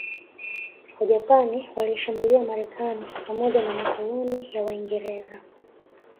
Wajapani waliishambulia Marekani pamoja na makoloni ya Waingereza